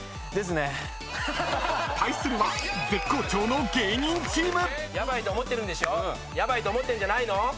対するは絶好調の芸人チーム。